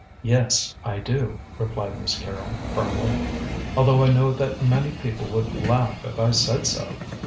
"Yes, I do," replied Miss Carrol firmly; "although I know that many people would laugh if I said so.